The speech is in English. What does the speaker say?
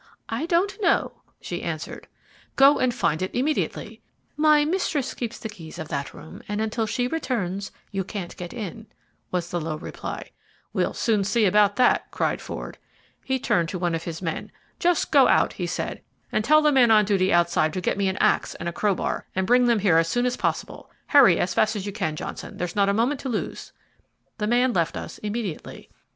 "I don't know," she answered. "Go and find it immediately." "My mistress keeps the key of that room, and until she returns you can't get in," was the low reply. "We'll soon see about that," cried Ford. He turned to one of his men. "Just go out," he said, "and tell the man on duty outside to get me an axe and crowbar, and bring them here as soon as possible. Hurry as fast as you can, Johnson; there's not a moment to lose." The man left us immediately.